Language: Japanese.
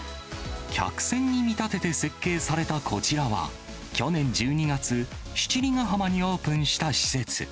客船に見立てて設計されたこちらは、去年１２月、七里ヶ浜にオープンした施設。